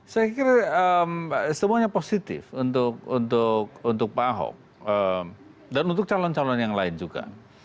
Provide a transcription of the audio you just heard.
saya kira semuanya positif untuk pak ahok dan untuk calon calon yang lain juga